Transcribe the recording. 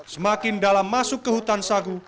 semakin dalam masuk ke hutan sagu